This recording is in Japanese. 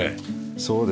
そうですね。